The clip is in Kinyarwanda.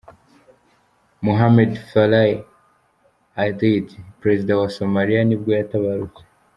Mohamed Farray Aidid, perezida wa wa Somalia nibwo yatabarutse.